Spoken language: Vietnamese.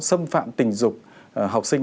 xâm phạm tình dục học sinh